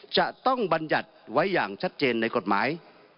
จะต้องบรรยัติไว้อย่างชัดเจนในกฎหมาย